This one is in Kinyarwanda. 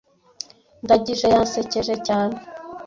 Ndagije yansekeje cyane.